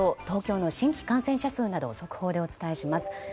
東京の新規感染者数などを速報でお伝えします。